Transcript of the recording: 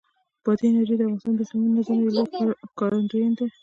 بادي انرژي د افغانستان د اقلیمي نظام یوه لویه ښکارندوی ده.